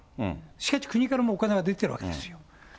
しかし国からもお金が出てるわけですよ。